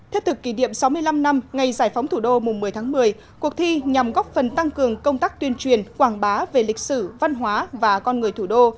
thế thực kỷ niệm sáu mươi năm năm ngày giải phóng thủ đô mùng một mươi tháng một mươi cuộc thi nhằm góp phần tăng cường công tác tuyên truyền quảng bá về lịch sử văn hóa và con người thủ đô